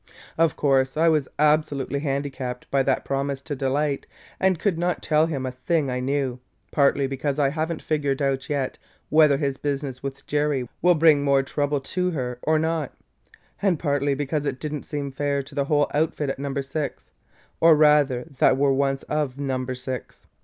"Of course I was absolutely handicapped by that promise to Delight and could not tell him a thing I knew, partly because I have n't figured out yet whether his business with Jerry will bring more trouble to her or not, and partly because it did n't seem fair to the whole outfit at Number Six – or rather that were once of Number Six!